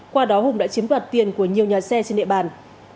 qua đó hùng đã chiếm đoạt tiền của nhiều nhà xe trên địa bàn